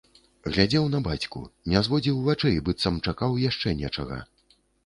Глядзеў на бацьку, не зводзіў вачэй, быццам чакаў яшчэ нечага.